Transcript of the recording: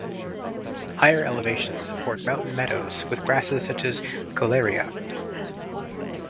Higher elevations support mountain meadows with grasses such as Koeleria.